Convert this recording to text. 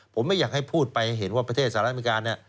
ผมไม่อยากให้พูดไปเห็นว่าประเทศสหรัฐอเมริกาเนี่ย